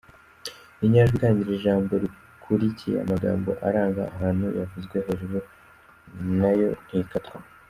Inyajwi itangira ijambo rikurikiye amagambo aranga ahantu yavuzwe hejuru na yo ntikatwa.